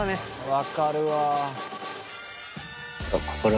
分かるわ。